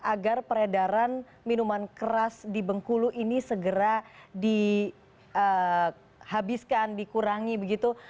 agar peredaran minuman keras di bengkulu ini segera dihabiskan dikurangi begitu